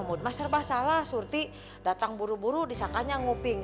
mas serba salah surti datang buru buru disangkanya nguping